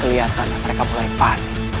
kelihatan yang mereka belipat